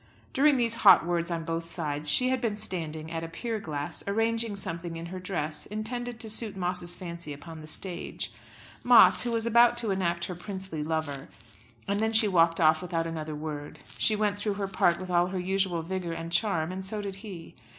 During these hot words on both sides she had been standing at a pier glass, arranging something in her dress intended to suit Moss's fancy upon the stage, Moss who was about to enact her princely lover and then she walked off without another word. She went through her part with all her usual vigour and charm, and so did he.